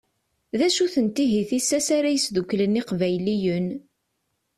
D acu-tent ihi tissas ara yesdukklen Iqbayliyen?